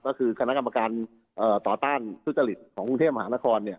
ก็คือคณะกรรมการต่อต้านทุจริตของกรุงเทพมหานคร